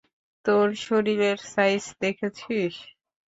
তোর শরীরের সাইজ দেখেছিস?